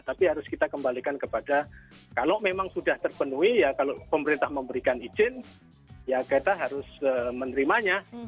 tapi harus kita kembalikan kepada kalau memang sudah terpenuhi ya kalau pemerintah memberikan izin ya kita harus menerimanya